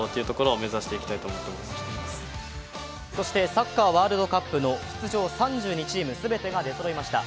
サッカーワールドカップの出場３２チーム全てが出そろいました。